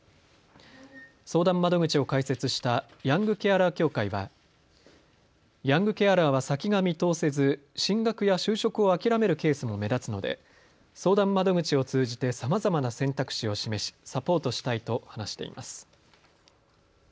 相談窓口を開設したヤングケアラー協会はヤングケアラーは先が見通せず進学や就職を諦めるケースも目立つので相談窓口を通じてさまざまな選択肢を示しサポートしたいと話しています。